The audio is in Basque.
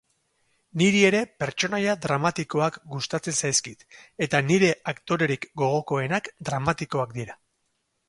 Niri ere pertsonaia dramatikoak gustatzen zaizkit, eta nire aktorerik gogokoenak dramatikoak dira.